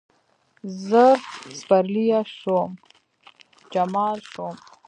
زر سپرلیه شوم، جمال شوم